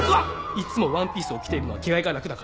いつもワンピースを着ているのは着替えが楽だから。